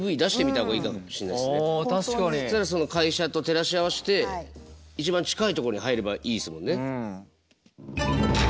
会社と照らし合わせて一番近いとこに入ればいいですもんね。